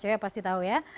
cewek cewek pasti tahu ya